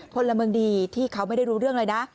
พลเมืองดีที่เขาไม่ได้รู้เรื่องเลยนะ